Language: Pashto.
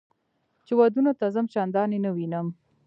چې ودونو ته ځم چندان یې نه وینم.